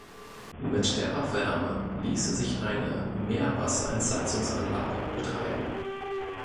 Mit der Abwärme ließe sich eine Meerwasserentsalzungsanlage betreiben.